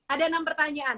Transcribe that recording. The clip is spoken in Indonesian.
ada enam pertanyaan